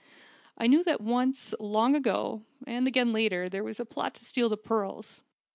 I knew that once, long ago, and again later, there was a plot to steal the pearls.